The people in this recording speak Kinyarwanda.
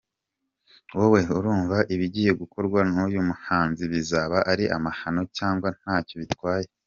Wowe urumva ibigiye gukorwa n’uyu muhanzi bizaba ari amahano cyangwa ntacyo bitwaye?.